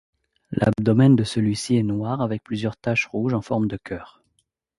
L'abdomen de celui-ci est noir avec plusieurs taches rouges en forme de cœur.